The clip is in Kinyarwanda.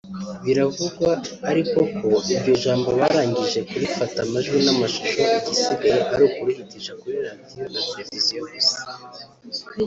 Biravugwa ariko ko iryo jambo barangije kurifata amajwi n'amashusho igisigaye ari ukurihitisha kuri Radio na Television gusa